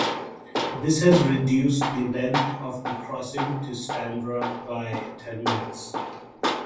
This has reduced the length of the crossing to Stranraer by ten minutes.